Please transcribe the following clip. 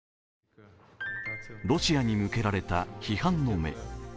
ロシアに向けられた批判の目。